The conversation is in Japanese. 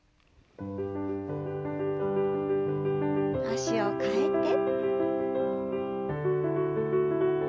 脚を替えて。